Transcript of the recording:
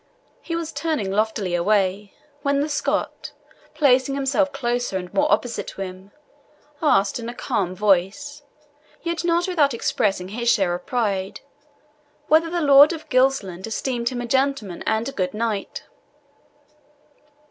He was turning loftily away, when the Scot, placing himself closer, and more opposite to him, asked, in a calm voice, yet not without expressing his share of pride, whether the Lord of Gilsland esteemed him a gentleman and a good knight.